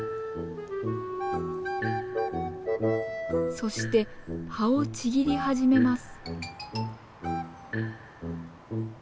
そして葉をちぎり始めます。